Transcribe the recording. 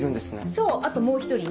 そうあともう１人ね。